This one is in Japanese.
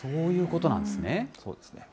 そうですね。